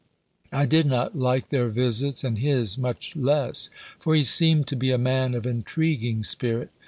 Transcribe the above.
I did not like their visits, and his much less: for he seemed to be a man of intriguing spirit.